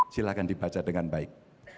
silahkan dibaca dengan baik